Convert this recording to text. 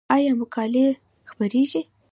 آیا مقالې خپریږي؟